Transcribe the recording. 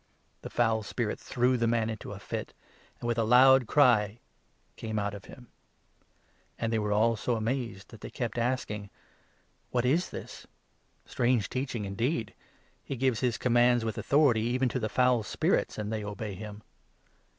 The foul spirit threw the man into a fit, and with a loud 26 cry came out from him. And they were all so amazed that 27 they kept asking : "What is this? Strange teaching indeed ! He gives his commands with authority even to the foul spirits, and they obey him